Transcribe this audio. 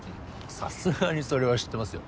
さすがにそれは知ってますよ。